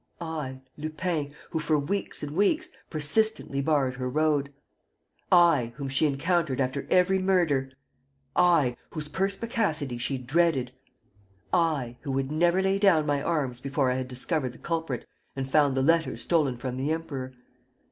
... I, Lupin, who, for weeks and weeks, persistently barred her road; I, whom she encountered after every murder; I, whose perspicacity she dreaded; I, who would never lay down my arms before I had discovered the culprit and found the letters stolen from the Emperor.